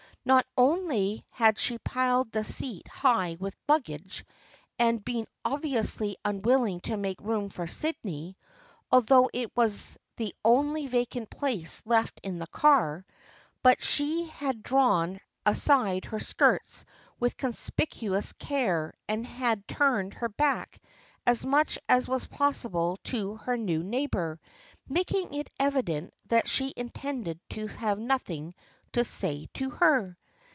Not only had she piled the seat high with luggage and been obviously unwilling to make room for Sydney, although it was the only vacant place left in the car, but she had drawn aside her skirts with conspicuous care, and had turned her back as much as was possible to her new neighbor, making it evident that she intended to have nothing to say to her.